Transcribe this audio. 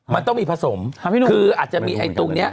มันต้องมีผสมคืออาจจะมีไอ้ตรงเนี้ย